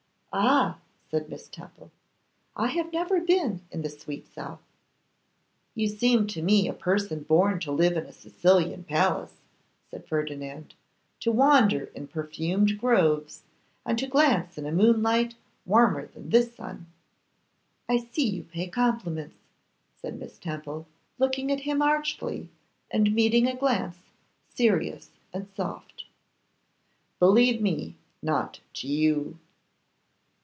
'Ah!' said Miss Temple, 'I have never been in the sweet south.' 'You seem to me a person born to live in a Sicilian palace,' said Ferdinand, 'to wander in perfumed groves, and to glance in a moonlight warmer than this sun.' 'I see you pay compliments,' said Miss Temple, looking at him archly, and meeting a glance serious and soft. 'Believe me, not to you.